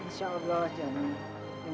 insya allah jonny